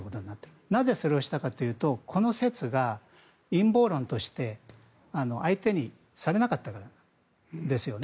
なぜそれをしたかというとこの説が陰謀論として相手にされなかったからですよね。